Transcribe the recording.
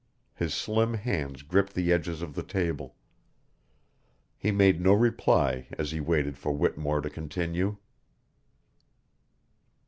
His slim hands gripped the edges of the table. He made no reply as he waited for Whittemore to continue.